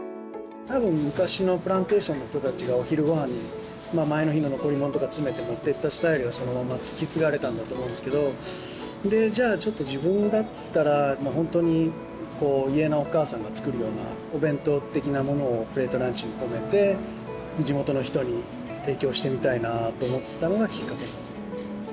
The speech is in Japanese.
多分昔のプランテーションの人達がお昼ごはんに前の日の残り物とか詰めて持ってったスタイルがそのまま引き継がれたんだと思うんですけどでじゃあちょっと自分だったらホントに家のお母さんが作るようなお弁当的なものをプレートランチに込めて地元の人に提供してみたいなと思ったのがきっかけですね